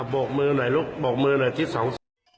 โบกมือหน่อยลูกโบกมือหน่อยที่สองศพ